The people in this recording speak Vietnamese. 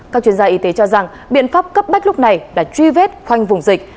các chuyên gia y tế cho rằng biện pháp cấp bách lúc này là truy vết khoanh vùng dịch